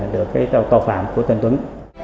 được cái tàu phạm của tân tuấn